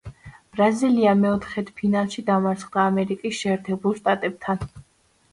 ბრაზილია მეოთხედფინალში დამარცხდა ამერიკის შეერთებულ შტატებთან.